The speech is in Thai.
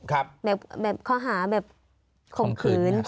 เขาหาแบบขมขืน